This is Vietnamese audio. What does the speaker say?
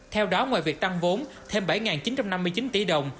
theo đó ngoài việc tăng vốn thêm bảy chín trăm năm mươi chín tỷ đồng